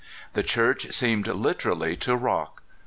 The church seemed literally to rock.